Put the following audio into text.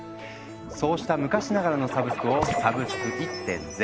そうした昔ながらのサブスクを「サブスク１．０」。